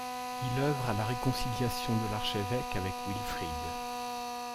Il œuvre à la réconciliation de l'archevêque avec Wilfrid.